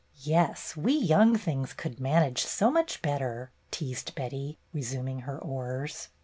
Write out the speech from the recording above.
''Yes, we young things could manage so much better," teased Betty, resuming her oars.